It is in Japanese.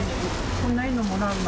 こんないいのもらえるの？